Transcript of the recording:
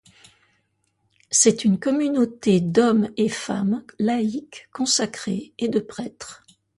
C'est une communauté d'hommes et femmes laïcs consacrés, et de prêtres.